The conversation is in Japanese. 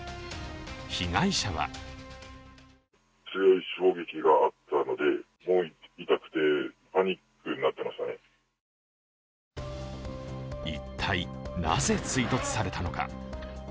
被害者は一体なぜ追突されたのか。